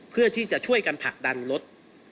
เพื่อที่จะช่วยกันผลักดันรถ